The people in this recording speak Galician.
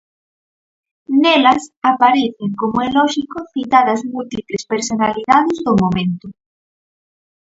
Nelas, aparecen como é lóxico citadas múltiples personalidades do momento.